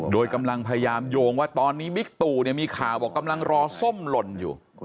โดยกำลังพยายามโยงว่าตอนนี้บิ๊กตู่เนี่ยมีข่าวบอกกำลังรอส้มหล่นอยู่